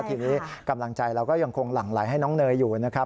ทีนี้กำลังใจเราก็ยังคงหลั่งไหลให้น้องเนยอยู่นะครับ